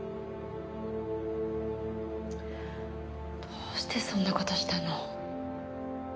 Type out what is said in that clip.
どうしてそんな事したの？